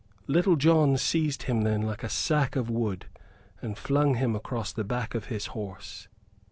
Little John seized him then like a sack of wood, and flung him across the back of his horse.